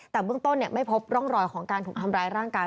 แต่เบื้องต้นไม่พบร่องรอยของการถูกทำร้ายร่างกาย